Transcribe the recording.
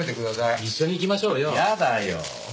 一緒に行きましょうよ。